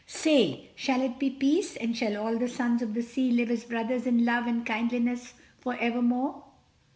Say: Shall it be peace, and shall all the sons of the sea live as brothers in love and kindliness for evermore?